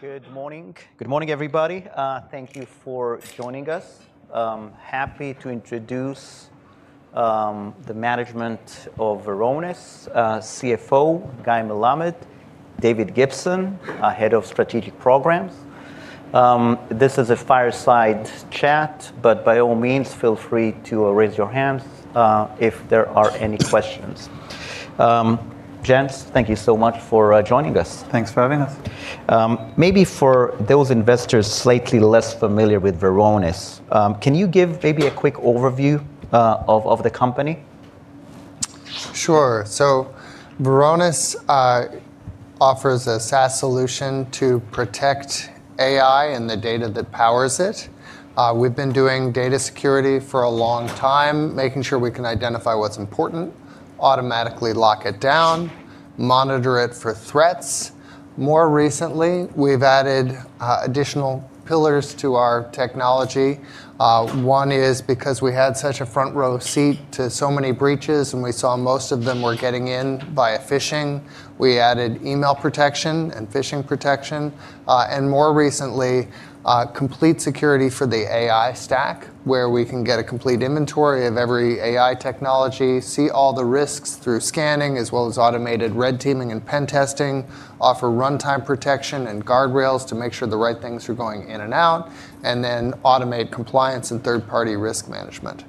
Good morning. Good morning, everybody. Thank you for joining us. Happy to introduce the management of Varonis, CFO, Guy Melamed, David Gibson, Head of Strategic Programs. This is a fireside chat, but by all means, feel free to raise your hands if there are any questions. Gents, thank you so much for joining us. Thanks for having us. Maybe for those investors slightly less familiar with Varonis, can you give maybe a quick overview of the company? Varonis offers a SaaS solution to protect AI and the data that powers it. We've been doing data security for a long time, making sure we can identify what's important, automatically lock it down, monitor it for threats. More recently, we've added additional pillars to our technology. One is because we had such a front-row seat to so many breaches, and we saw most of them were getting in via phishing. We added email protection and phishing protection. More recently, complete security for the AI stack, where we can get a complete inventory of every AI technology, see all the risks through scanning, as well as automated red teaming and pen testing, offer runtime protection and guardrails to make sure the right things are going in and out, and then automate compliance and third-party risk management.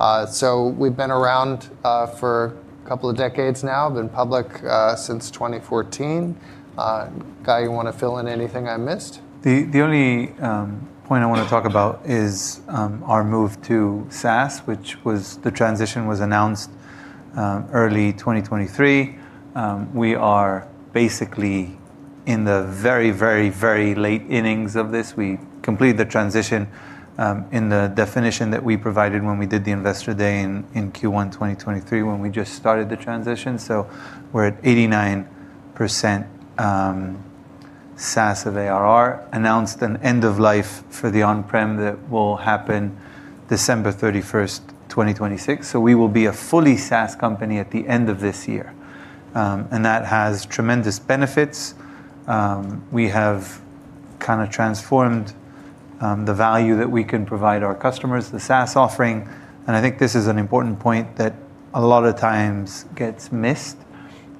We've been around for a couple of decades now. Been public since 2014. Guy, you want to fill in anything I missed? The only point I want to talk about is our move to SaaS, the transition was announced early 2023. We are basically in the very late innings of this. We completed the transition in the definition that we provided when we did the investor day in Q1 2023, when we just started the transition. We're at 89% SaaS of ARR, announced an end of life for the on-prem that will happen December 31st, 2026. We will be a fully SaaS company at the end of this year, and that has tremendous benefits. We have kind of transformed the value that we can provide our customers, the SaaS offering, and I think this is an important point that a lot of times gets missed.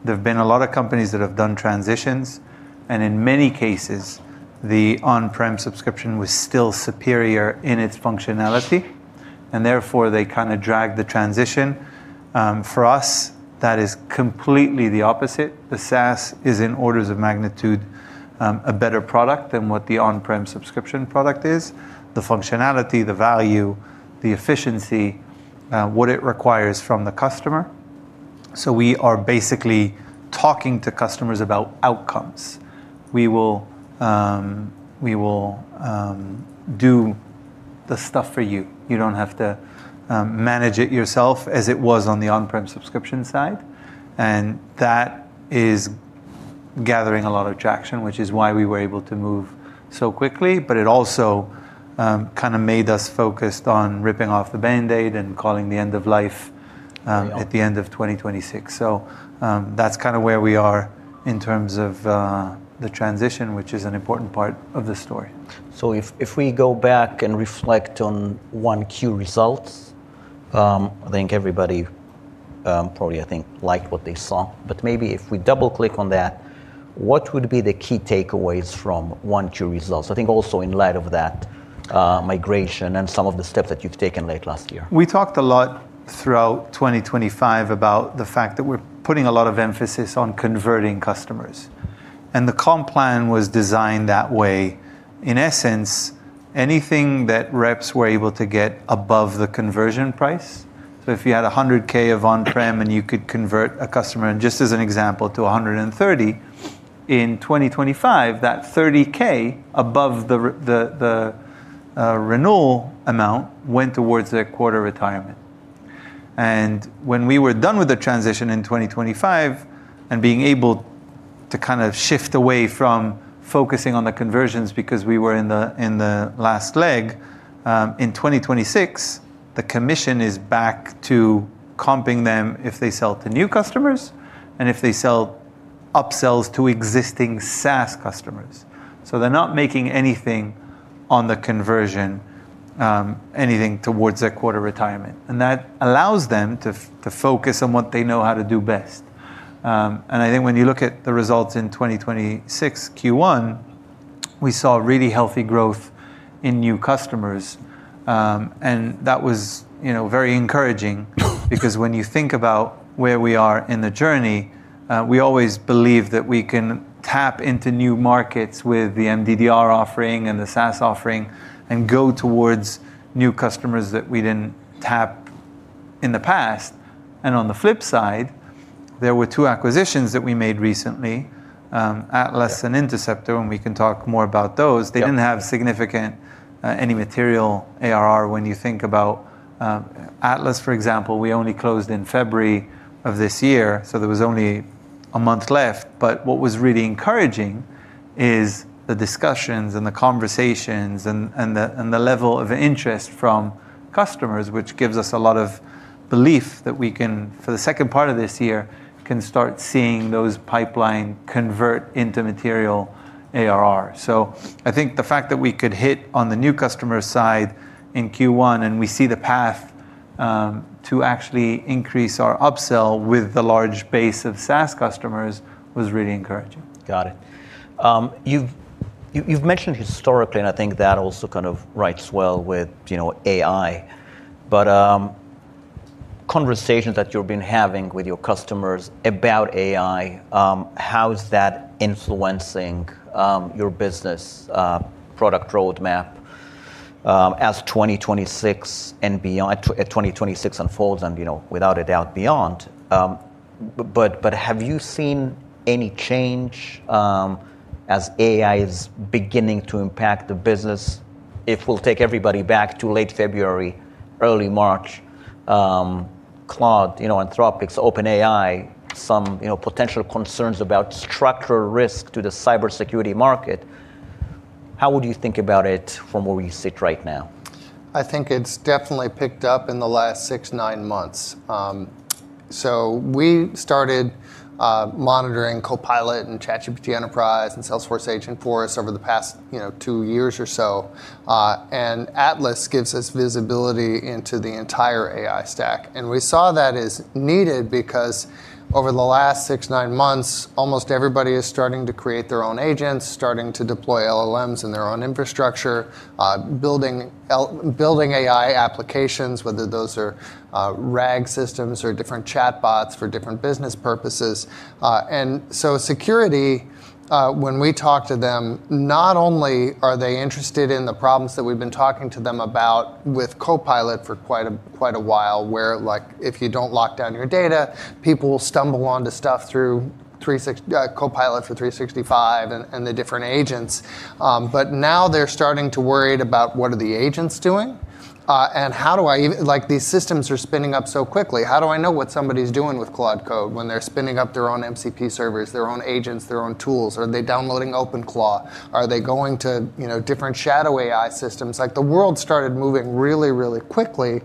There've been a lot of companies that have done transitions, and in many cases, the on-prem subscription was still superior in its functionality, and therefore they kind of dragged the transition. For us, that is completely the opposite. The SaaS is in orders of magnitude a better product than what the on-prem subscription product is, the functionality, the value, the efficiency, what it requires from the customer. We are basically talking to customers about outcomes. We will do the stuff for you. You don't have to manage it yourself as it was on the on-prem subscription side. That is gathering a lot of traction, which is why we were able to move so quickly. It also kind of made us focused on ripping off the Band-Aid and calling the end of life. Yeah At the end of 2026. That's kind of where we are in terms of the transition, which is an important part of the story. If we go back and reflect on 1Q results, I think everybody probably liked what they saw. Maybe if we double-click on that, what would be the key takeaways from 1Q results, I think also in light of that migration and some of the steps that you've taken late last year? We talked a lot throughout 2025 about the fact that we're putting a lot of emphasis on converting customers, and the comp plan was designed that way. In essence, anything that reps were able to get above the conversion price. If you had $100K of on-prem and you could convert a customer, and just as an example, to $130K in 2025, that $30K above the renewal amount went towards their quarter retirement. When we were done with the transition in 2025 and being able to kind of shift away from focusing on the conversions because we were in the last leg. In 2026, the commission is back to comping them if they sell to new customers and if they sell upsells to existing SaaS customers. They're not making anything on the conversion, anything towards their quarter retirement, and that allows them to focus on what they know how to do best. I think when you look at the results in 2026 Q1, we saw really healthy growth in new customers. That was very encouraging because when you think about where we are in the journey, we always believe that we can tap into new markets with the MDDR offering and the SaaS offering and go towards new customers that we didn't tap in the past. On the flip side, there were two acquisitions that we made recently, Atlas and Interceptor, and we can talk more about those. They didn't have significant, any material ARR when you think about Atlas, for example, we only closed in February of this year, so there was only one month left. What was really encouraging is the discussions and the conversations and the level of interest from customers, which gives us a lot of belief that we can, for the second part of this year, can start seeing those pipeline convert into material ARR. I think the fact that we could hit on the new customer side in Q1, and we see the path to actually increase our up-sell with the large base of SaaS customers was really encouraging. Got it. You've mentioned historically, and I think that also kind of writes well with AI, but conversations that you've been having with your customers about AI, how's that influencing your business product roadmap as 2026 unfolds and, without a doubt, beyond. Have you seen any change as AI is beginning to impact the business? If we'll take everybody back to late February, early March, Claude, Anthropic, OpenAI, some potential concerns about structural risk to the cybersecurity market, how would you think about it from where we sit right now? I think it's definitely picked up in the last six, nine months. We started monitoring Copilot and ChatGPT Enterprise and Salesforce Agentforce over the past two years or so. Atlas gives us visibility into the entire AI stack. We saw that as needed because over the last six, nine months, almost everybody is starting to create their own agents, starting to deploy LLMs in their own infrastructure, building AI applications, whether those are RAG systems or different chatbots for different business purposes. Security, when we talk to them, not only are they interested in the problems that we've been talking to them about with Copilot for quite a while, where if you don't lock down your data, people will stumble onto stuff through Microsoft 365 Copilot and the different agents. Now they're starting to worried about what are the agents doing, and these systems are spinning up so quickly, how do I know what somebody's doing with Claude Code when they're spinning up their own MCP servers, their own agents, their own tools? Are they downloading OpenClaude? Are they going to different shadow AI systems? The world started moving really, really quickly,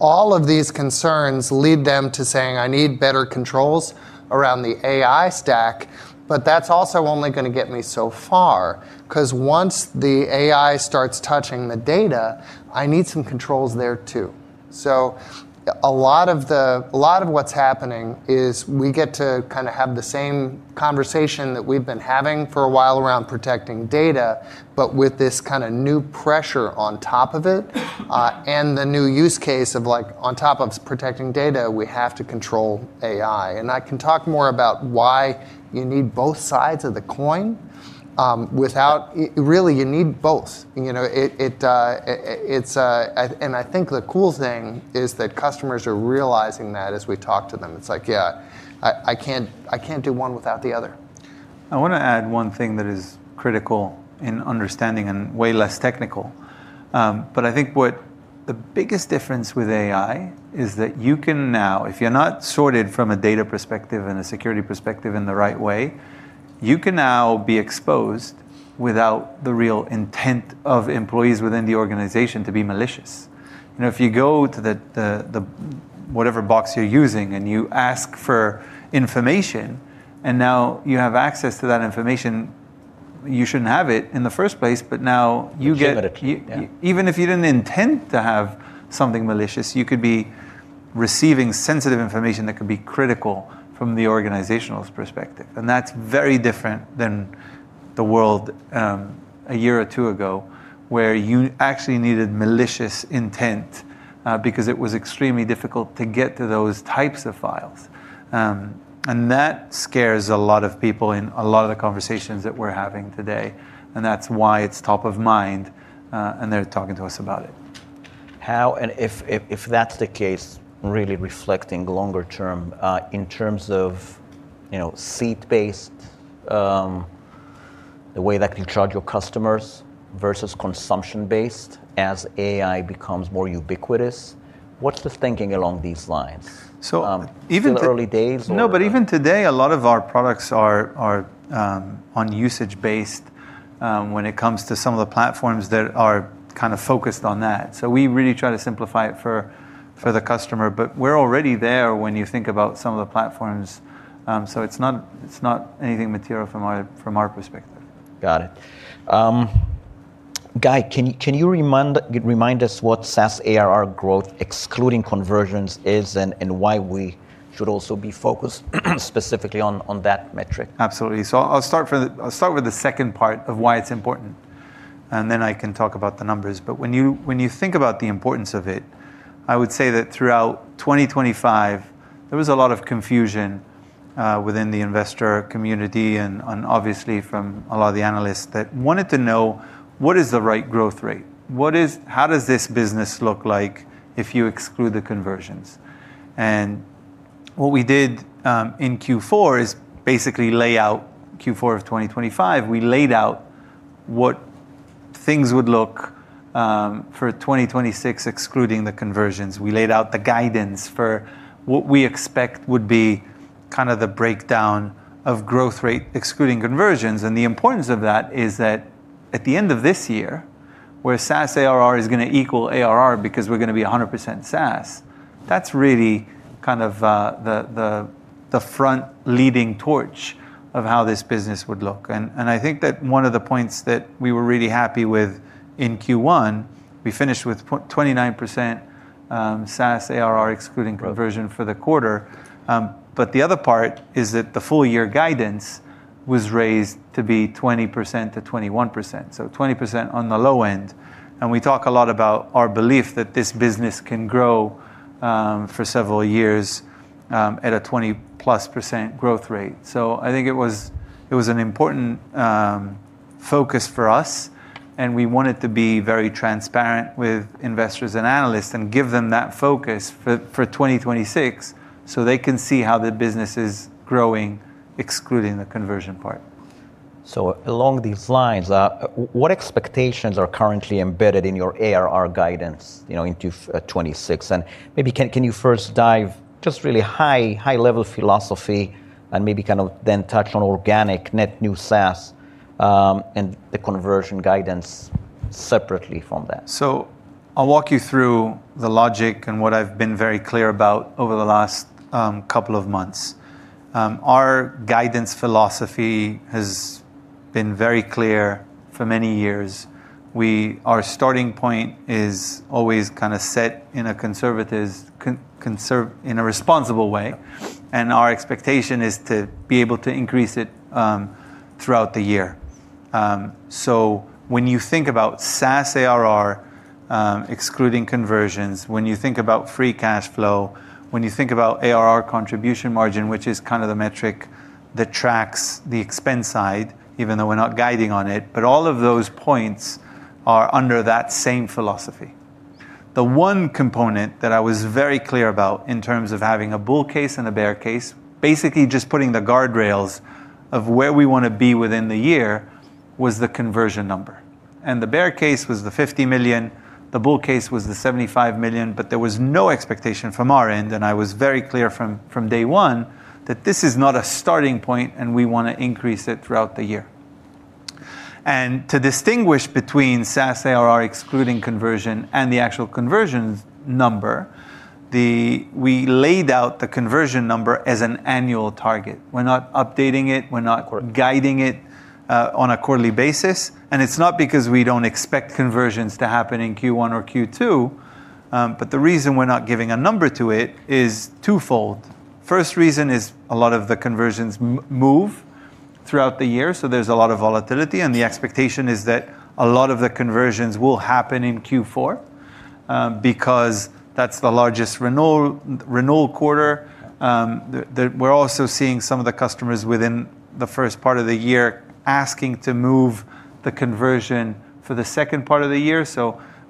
all of these concerns lead them to saying, "I need better controls around the AI stack, but that's also only going to get me so far." Once the AI starts touching the data, I need some controls there, too. A lot of what's happening is we get to have the same conversation that we've been having for a while around protecting data, but with this new pressure on top of it. The new use case of on top of protecting data, we have to control AI. I can talk more about why you need both sides of the coin. Really, you need both. I think the cool thing is that customers are realizing that as we talk to them. It's like, Yeah, I can't do one without the other. I want to add one thing that is critical in understanding and way less technical. I think what the biggest difference with AI is that you can now, if you're not sorted from a data perspective and a security perspective in the right way, you can now be exposed without the real intent of employees within the organization to be malicious. If you go to whatever box you're using, and you ask for information, and now you have access to that information, you shouldn't have it in the first place. You shouldn't have it, yeah Even if you didn't intend to have something malicious, you could be receiving sensitive information that could be critical from the organizational's perspective. That's very different than the world a year or two ago, where you actually needed malicious intent, because it was extremely difficult to get to those types of files. That scares a lot of people in a lot of the conversations that we're having today, and that's why it's top of mind, and they're talking to us about it. If that's the case, really reflecting longer term, in terms of seat-based, the way that you charge your customers versus consumption-based as AI becomes more ubiquitous, what's the thinking along these lines? So even- Still early days or? No, even today, a lot of our products are on usage-based, when it comes to some of the platforms that are kind of focused on that. We really try to simplify it for the customer. We're already there when you think about some of the platforms. It's not anything material from our perspective. Got it. Guy, can you remind us what SaaS ARR growth excluding conversions is and why we should also be focused specifically on that metric? Absolutely. I'll start with the second part of why it's important, and then I can talk about the numbers. When you think about the importance of it, I would say that throughout 2025, there was a lot of confusion within the investor community and obviously from a lot of the analysts that wanted to know what is the right growth rate. How does this business look like if you exclude the conversions? What we did in Q4 is basically lay out Q4 of 2025. We laid out what things would look for 2026, excluding the conversions. We laid out the guidance for what we expect would be the breakdown of growth rate excluding conversions. The importance of that is that at the end of this year, where SaaS ARR is going to equal ARR because we're going to be 100% SaaS, that's really the front leading torch of how this business would look. I think that one of the points that we were really happy with in Q1, we finished with 29% SaaS ARR excluding conversion for the quarter. The other part is that the full-year guidance was raised to be 20%-21%. 20% on the low end, and we talk a lot about our belief that this business can grow for several years at a 20-plus% growth rate. I think it was an important focus for us, and we wanted to be very transparent with investors and analysts and give them that focus for 2026 so they can see how the business is growing, excluding the conversion part. Along these lines, what expectations are currently embedded in your ARR guidance into 2026? Maybe can you first dive just really high-level philosophy and maybe then touch on organic net new SaaS, and the conversion guidance separately from that? I'll walk you through the logic and what I've been very clear about over the last couple of months. Our guidance philosophy has been very clear for many years. Our starting point is always set in a responsible way, and our expectation is to be able to increase it throughout the year. When you think about SaaS ARR excluding conversions, when you think about free cash flow, when you think about ARR contribution margin, which is the metric that tracks the expense side, even though we're not guiding on it, but all of those points are under that same philosophy. The one component that I was very clear about in terms of having a bull case and a bear case, basically just putting the guardrails of where we want to be within the year, was the conversion number. The bear case was the $50 million, the bull case was the $75 million, but there was no expectation from our end, and I was very clear from day one that this is not a starting point, and we want to increase it throughout the year. To distinguish between SaaS ARR excluding conversion and the actual conversion number, we laid out the conversion number as an annual target. We're not updating it, we're not guiding it on a quarterly basis, and it's not because we don't expect conversions to happen in Q1 or Q2. The reason we're not giving a number to it is twofold. First reason is a lot of the conversions move throughout the year, so there's a lot of volatility, and the expectation is that a lot of the conversions will happen in Q4 because that's the largest renewal quarter. We're also seeing some of the customers within the first part of the year asking to move the conversion for the second part of the year.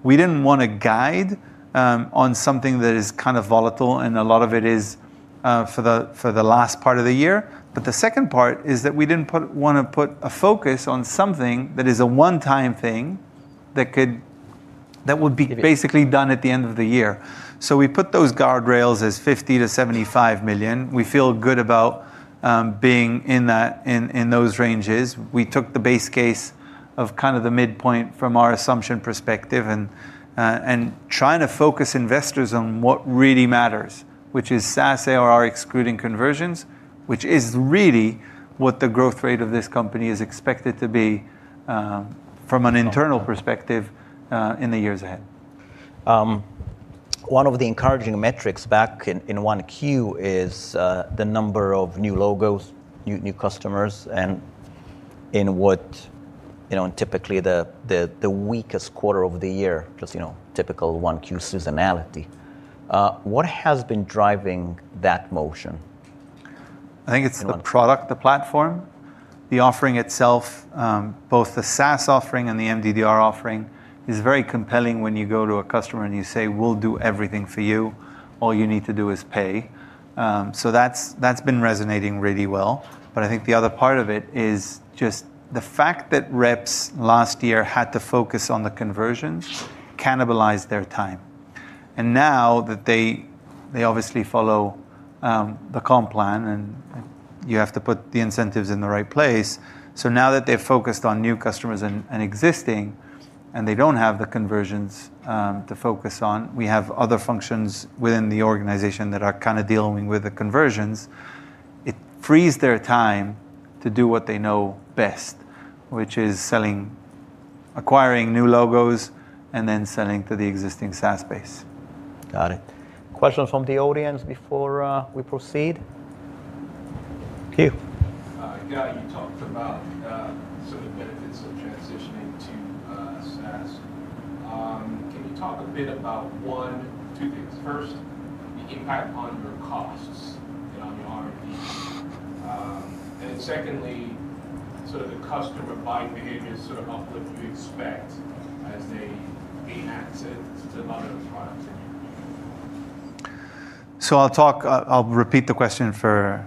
We didn't want to guide on something that is volatile, and a lot of it is for the last part of the year. The second part is that we didn't want to put a focus on something that is a one-time thing that would be basically done at the end of the year. We put those guardrails as $50 million-$75 million. We feel good about being in those ranges. We took the base case of the midpoint from our assumption perspective and trying to focus investors on what really matters, which is SaaS ARR excluding conversions, which is really what the growth rate of this company is expected to be from an internal perspective in the years ahead. One of the encouraging metrics back in 1Q is the number of new logos, new customers, and in typically the weakest quarter of the year, just typical 1Q seasonality. What has been driving that motion? I think it's the product, the platform. The offering itself, both the SaaS offering and the MDDR offering, is very compelling when you go to a customer, and you say, "We'll do everything for you. All you need to do is pay." That's been resonating really well. I think the other part of it is just the fact that reps last year had to focus on the conversions cannibalized their time. Now that they obviously follow the comp plan, and you have to put the incentives in the right place. Now that they're focused on new customers and existing, and they don't have the conversions to focus on, we have other functions within the organization that are dealing with the conversions. It frees their time to do what they know best, which is acquiring new logos and then selling to the existing SaaS base. Got it. Questions from the audience before we proceed? Guy, you talked about some of the benefits of transitioning to SaaS. Can you talk a bit about one, two things. First, the impact on your costs and on your R&D. Secondly, the customer buying behavior uplift you expect as they gain access to a lot of those products. I'll repeat the question for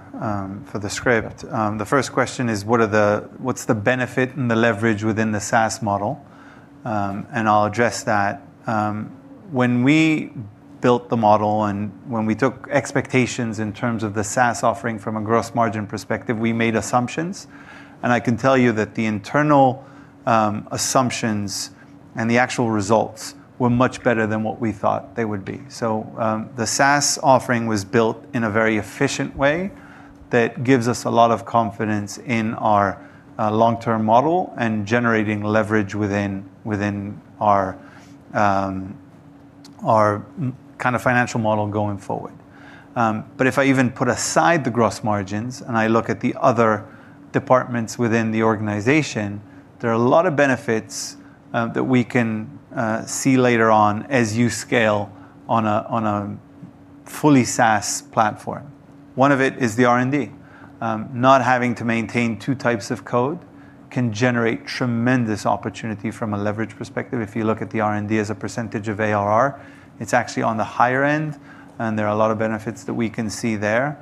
the script. The first question is, what's the benefit and the leverage within the SaaS model? I'll address that. When we built the model and when we took expectations in terms of the SaaS offering from a gross margin perspective, we made assumptions. I can tell you that the internal assumptions and the actual results were much better than what we thought they would be. The SaaS offering was built in a very efficient way that gives us a lot of confidence in our long-term model and generating leverage within our financial model going forward. If I even put aside the gross margins and I look at the other departments within the organization, there are a lot of benefits that we can see later on as you scale on a fully SaaS platform. One of it is the R&D. Not having to maintain two types of code can generate tremendous opportunity from a leverage perspective. If you look at the R&D as a percentage of ARR, it is actually on the higher end, and there are a lot of benefits that we can see there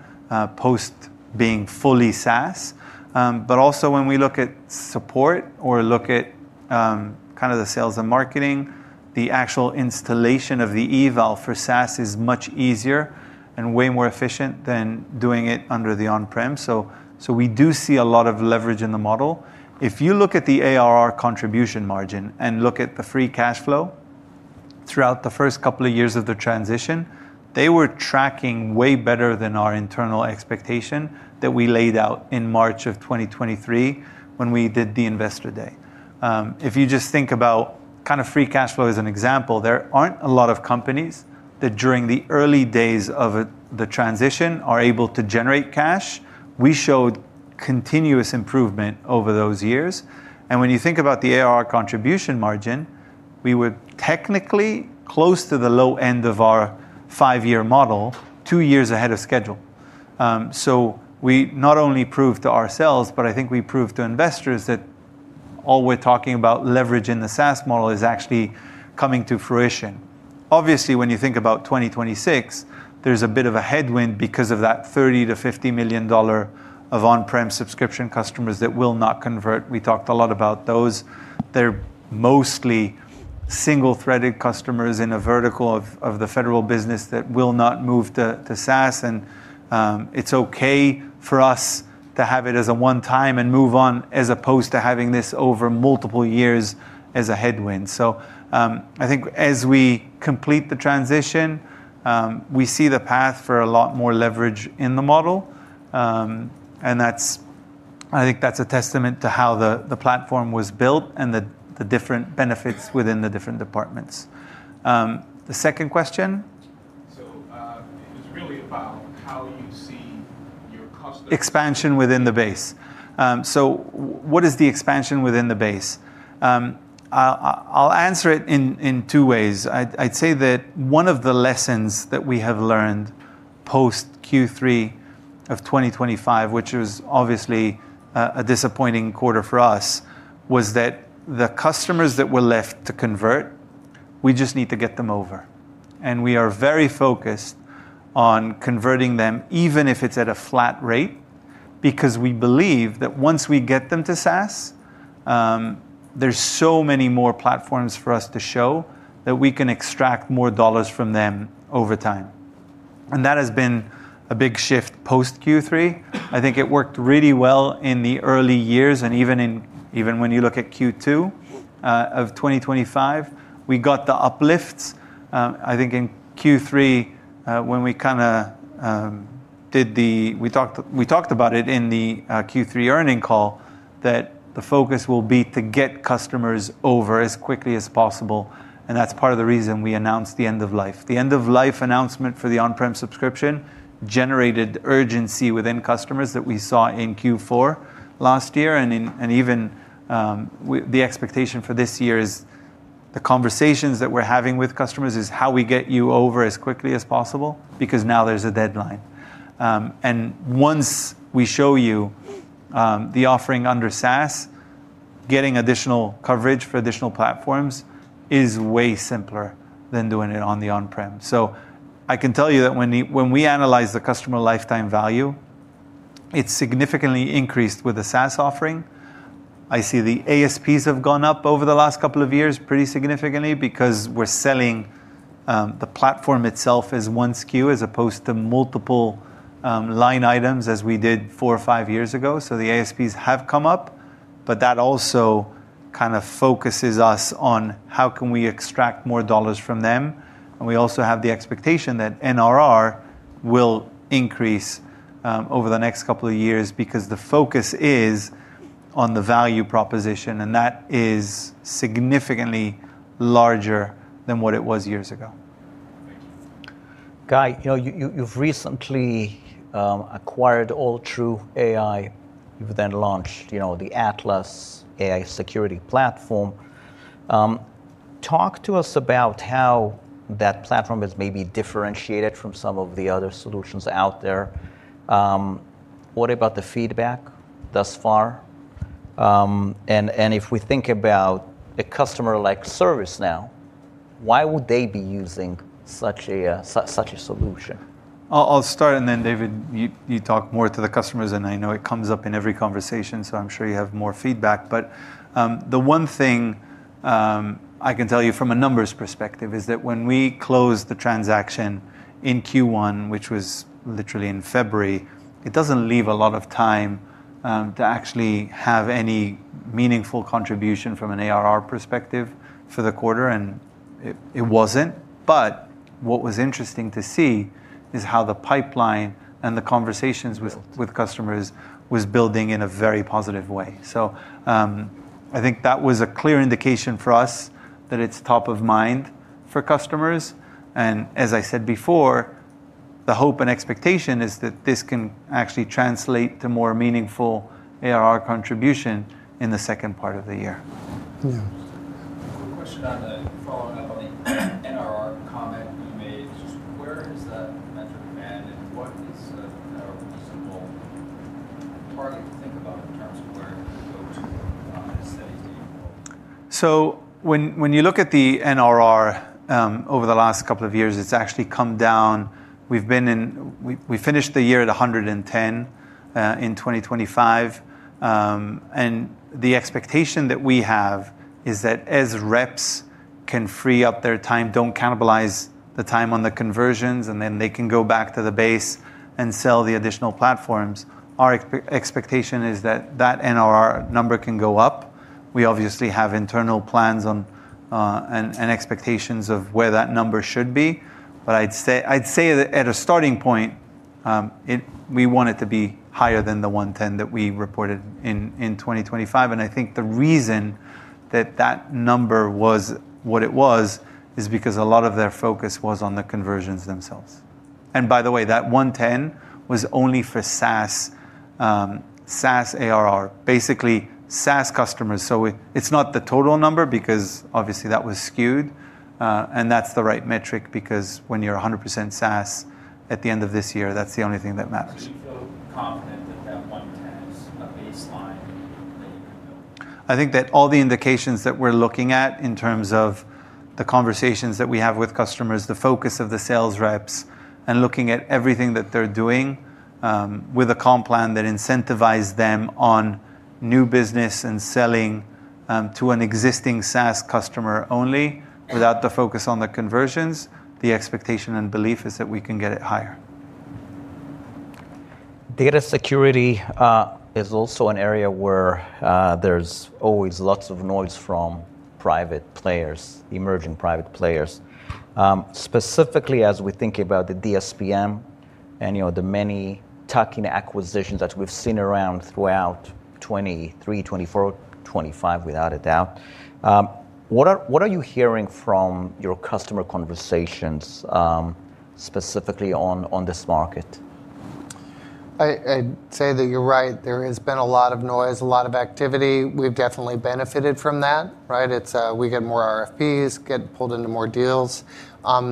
post being fully SaaS. Also when we look at support or look at the sales and marketing, the actual installation of the eval for SaaS is much easier and way more efficient than doing it under the on-prem. We do see a lot of leverage in the model. If you look at the ARR contribution margin and look at the free cash flow throughout the first couple of years of the transition, they were tracking way better than our internal expectation that we laid out in March of 2023 when we did the investor day. If you just think about free cash flow as an example, there aren't a lot of companies that during the early days of the transition are able to generate cash. We showed continuous improvement over those years. When you think about the ARR contribution margin, we were technically close to the low end of our five-year model two years ahead of schedule. We not only proved to ourselves, but I think we proved to investors that all we're talking about leverage in the SaaS model is actually coming to fruition. Obviously, when you think about 2026, there's a bit of a headwind because of that $30 million-$50 million of on-prem subscription customers that will not convert. We talked a lot about those. They're mostly single-threaded customers in a vertical of the federal business that will not move to SaaS. It's okay for us to have it as a one-time and move on, as opposed to having this over multiple years as a headwind. I think as we complete the transition, we see the path for a lot more leverage in the model. I think that's a testament to how the platform was built and the different benefits within the different departments. The second question. It was really about how you see your customer- Expansion within the base. What is the expansion within the base? I'll answer it in two ways. I'd say that one of the lessons that we have learned post Q3 of 2025, which was obviously a disappointing quarter for us, was that the customers that were left to convert, we just need to get them over. We are very focused on converting them, even if it's at a flat rate, because we believe that once we get them to SaaS, there's so many more platforms for us to show that we can extract more dollars from them over time. That has been a big shift post Q3. I think it worked really well in the early years and even when you look at Q2 of 2025. We got the uplifts. I think in Q3, we talked about it in the Q3 earnings call that the focus will be to get customers over as quickly as possible, and that's part of the reason we announced the end of life. The end of life announcement for the on-prem subscription generated urgency within customers that we saw in Q4 last year. Even the expectation for this year is the conversations that we're having with customers is how we get you over as quickly as possible because now there's a deadline. I can tell you that when we analyze the customer lifetime value, it significantly increased with the SaaS offering. I see the ASPs have gone up over the last couple of years pretty significantly because we're selling the platform itself as one SKU as opposed to multiple line items as we did four or five years ago. The ASPs have come up, but that also focuses us on how can we extract more dollars from them. We also have the expectation that NRR will increase over the next couple of years because the focus is on the value proposition, and that is significantly larger than what it was years ago. Thank you. Guy, you've recently acquired Alltrue.ai. You've launched the Atlas AI security platform. Talk to us about how that platform is maybe differentiated from some of the other solutions out there. What about the feedback thus far? If we think about a customer like ServiceNow, why would they be using such a solution? I'll start, and then David, you talk more to the customers, and I know it comes up in every conversation, so I'm sure you have more feedback. The one thing I can tell you from a numbers perspective is that when we close the transaction in Q1, which was literally in February, it doesn't leave a lot of time to actually have any meaningful contribution from an ARR perspective for the quarter, and it wasn't. What was interesting to see is how the pipeline and the conversations with customers was building in a very positive way. I think that was a clear indication for us that it's top of mind for customers, and as I said before, the hope and expectation is that this can actually translate to more meaningful ARR contribution in the second part of the year. Yeah. A question on following up on the NRR comment you made. Where is that metric at, and what is a reasonable target to think about in terms of where it could go to steady state? When you look at the NRR over the last couple of years, it's actually come down. We finished the year at 110 in 2025. The expectation that we have is that as reps can free up their time, don't cannibalize the time on the conversions, and then they can go back to the base and sell the additional platforms. Our expectation is that that NRR number can go up. We obviously have internal plans and expectations of where that number should be. I'd say that at a starting point, we want it to be higher than the 110 that we reported in 2025. I think the reason that that number was what it was is because a lot of their focus was on the conversions themselves. By the way, that 110 was only for SaaS ARR. Basically, SaaS customers. It's not the total number because obviously that was skewed. That's the right metric because when you're 100% SaaS at the end of this year, that's the only thing that matters. Do you feel confident that that 110 is a baseline that you can build on? I think that all the indications that we're looking at in terms of the conversations that we have with customers, the focus of the sales reps and looking at everything that they're doing, with a comp plan that incentivize them on new business and selling to an existing SaaS customer only without the focus on the conversions, the expectation and belief is that we can get it higher. Data security is also an area where there's always lots of noise from private players, emerging private players. Specifically as we think about the DSPM and the many tuck-in acquisitions that we've seen around throughout 2023, 2024, 2025, without a doubt. What are you hearing from your customer conversations, specifically on this market? I'd say that you're right. There has been a lot of noise, a lot of activity. We've definitely benefited from that, right? We get more RFPs, get pulled into more deals.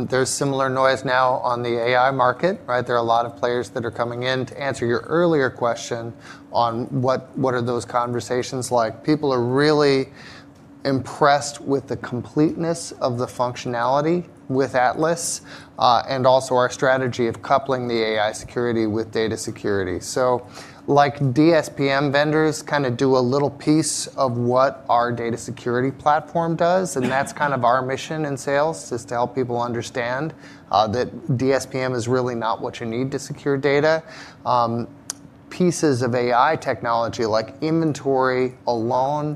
There's similar noise now on the AI market, right? There are a lot of players that are coming in. To answer your earlier question on what are those conversations like. People are really impressed with the completeness of the functionality with Atlas. Also our strategy of coupling the AI security with data security. Like DSPM vendors kind of do a little piece of what our data security platform does, and that's kind of our mission in sales, is to help people understand that DSPM is really not what you need to secure data. Pieces of AI technology like inventory alone,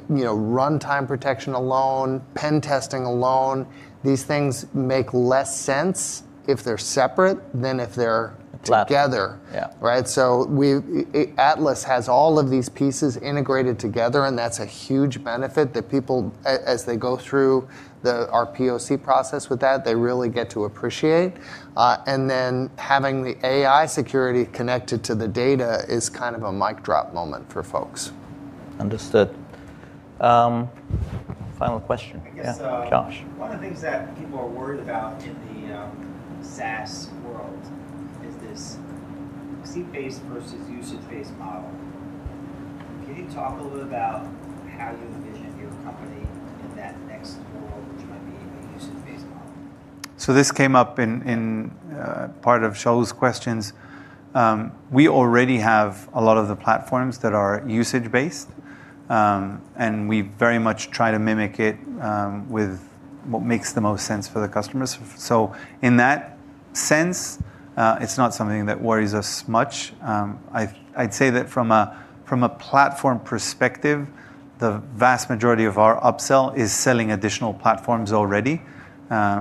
runtime protection alone, pen testing alone, these things make less sense if they're separate than if they're together. Together. Yeah. Right. Atlas has all of these pieces integrated together, and that's a huge benefit that people, as they go through our POC process with that, they really get to appreciate. Having the AI security connected to the data is kind of a mic drop moment for folks. Understood. Final question. Yeah. Josh. One of the things that people are worried about in the SaaS world is this seat-based versus usage-based model. Can you talk a little bit about how you envision your company in that next world, which might be a usage-based model? This came up in part of Shaul's questions. We already have a lot of the platforms that are usage-based. We very much try to mimic it with what makes the most sense for the customers. In that sense, it's not something that worries us much. I'd say that from a platform perspective, the vast majority of our upsell is selling additional platforms already.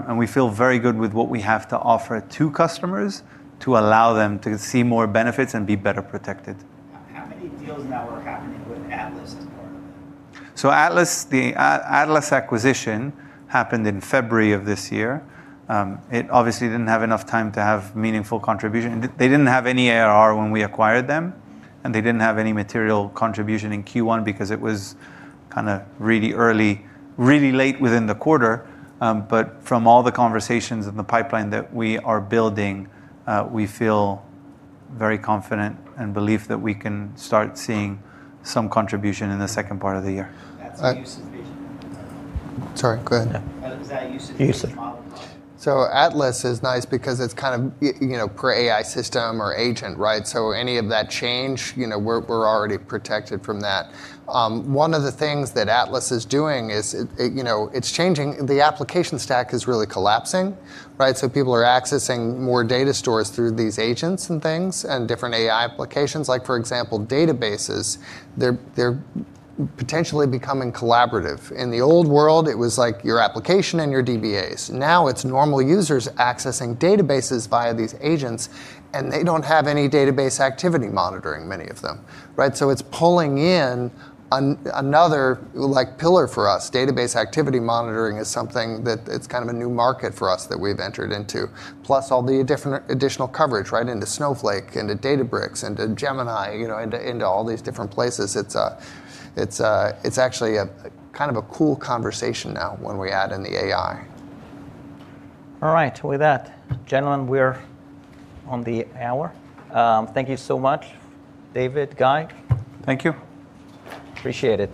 We feel very good with what we have to offer to customers to allow them to see more benefits and be better protected. How many deals now are happening with Atlas as part of that? Atlas, the Atlas acquisition happened in February of this year. It obviously didn't have enough time to have meaningful contribution. They didn't have any ARR when we acquired them, and they didn't have any material contribution in Q1 because it was kind of really early, really late within the quarter. From all the conversations in the pipeline that we are building, we feel very confident and believe that we can start seeing some contribution in the second part of the year. That's a usage-based model. Sorry, go ahead. Is that a usage-based model? Usage. Atlas is nice because it's kind of per AI system or agent, right? Any of that change, we're already protected from that. One of the things that Atlas is doing is it's changing the application stack is really collapsing, right? People are accessing more data stores through these agents and things and different AI applications like, for example, databases. They're potentially becoming collaborative. In the old world, it was like your application and your DBAs. Now it's normal users accessing databases via these agents, and they don't have any Database Activity Monitoring, many of them, right? It's pulling in another pillar for us. Database Activity Monitoring is something that, it's kind of a new market for us that we've entered into. Plus all the different additional coverage, right, into Snowflake, into Databricks, into Gemini, into all these different places. It's actually a kind of a cool conversation now when we add in the AI. All right. With that, gentlemen, we're on the hour. Thank you so much, David, Guy. Thank you. Appreciate it.